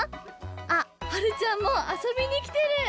あっはるちゃんもあそびにきてる！